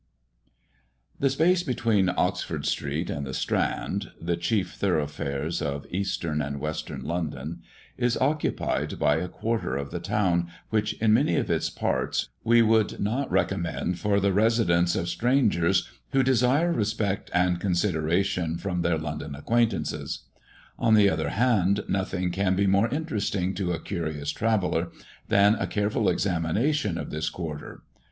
The space between Oxford street and the Strand, the chief thoroughfares of Eastern and Western London, is occupied by a quarter of the town which, in many of its parts, we would not recommend for the residence of strangers who desire respect and consideration from their London acquaintances. On the other hand, nothing can be more interesting to a curious traveller than a careful examination of this quarter.